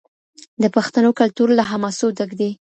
د پښتنو کلتور له حماسو ډک دی.